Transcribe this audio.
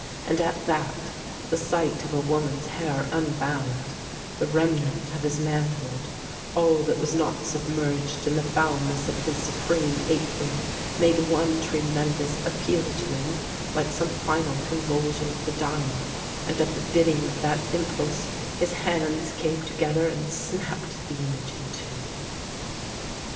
And at that, the sight of a woman's hair unbound, the remnant of his manhood, all that was not submerged in the foulness of his supreme apehood, made one tremendous appeal to him, like some final convulsion of the dying, and at the bid ding of that impulse his hands came together and snapped the image in two.